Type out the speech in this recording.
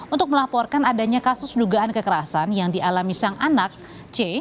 untuk melaporkan adanya kasus dugaan kekerasan yang dialami sang anak c